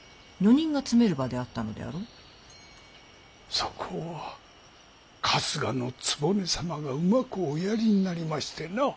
そこは春日局様がうまくおやりになりましてな。